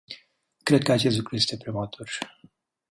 Cred că acest lucru este prematur.